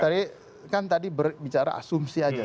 tadi kan tadi berbicara asumsi saja